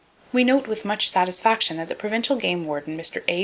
—We note with much satisfaction that the Provincial Game Warden, Mr. A.